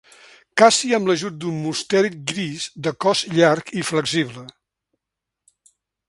Caci amb l'ajut d'un mustèlid gris de cos llarg i flexible.